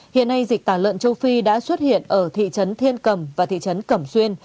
hiện nay dịch tả lợn châu phi đã xuất hiện ở thị trấn thiên cầm và thị trấn cẩm xuyên